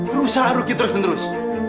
berusaha rugi terus menerus